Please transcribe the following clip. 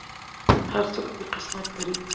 هر څوک خپل قسمت لري.